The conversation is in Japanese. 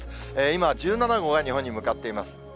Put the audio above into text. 今、１７号が日本に向かっています。